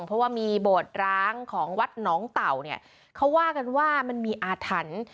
เพราะว่ามีโบสถ์ร้างของวัดหนองเต่าเนี่ยเขาว่ากันว่ามันมีอาถรรพ์